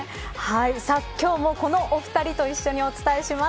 今日もこのお二人と一緒にお伝えします。